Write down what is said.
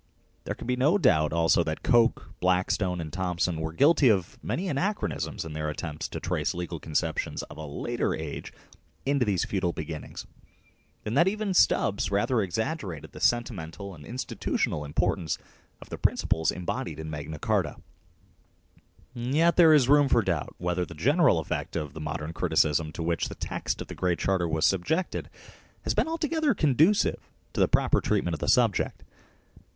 There can be no doubt also tha t t Coke, Blackstone, and Thomson were guilty of many anachronisms in their .attempts to trace legal conceptions of a later age into these feudal beginnings, and that even Stubbs rather exaggerated the sentimental. and institutional impor tance of the principles embodied in Magna Carta. And jyet there is room for doubt whether the general effect of the modern criticism to which the text of the Great Charter was subjected has been altogether conducive to the proper treatment of the subject.